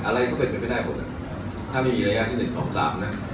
อะไรก็เป็นมันไม่ได้ถ้าไม่มีระยะที่๑ต้องตามนะ